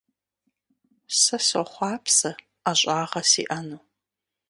Сэ сохъуапсэ ӀэщӀагъэ сиӀэну.